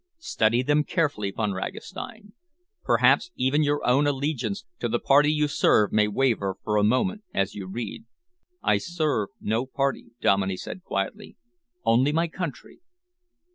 Study them carefully, Von Ragastein. Perhaps even your own allegiance to the Party you serve may waver for a moment as you read." "I serve no Party," Dominey said quietly, "only my Country."